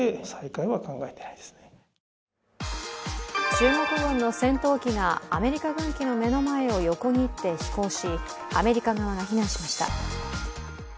中国軍の戦闘機がアメリカ軍機の目の前を横切って飛行し、アメリカ側が非難しました。